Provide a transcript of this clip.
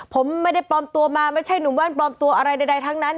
ผมไม่ได้ปลอมตัวมาไม่ใช่หนุ่มแว่นปลอมตัวอะไรใดทั้งนั้น